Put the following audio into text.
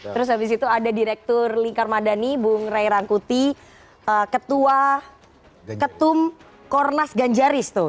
terus habis itu ada direktur lingkar madani bung ray rangkuti ketum kornas ganjaris tuh